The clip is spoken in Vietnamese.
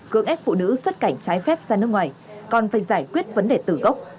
cưỡng ép phụ nữ xuất cảnh trái phép ra nước ngoài còn phải giải quyết vấn đề từ gốc